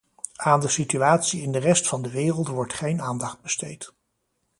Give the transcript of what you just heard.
Aan de situatie in de rest van de wereld wordt geen aandacht besteed.